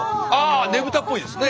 ねぶたっぽいですね。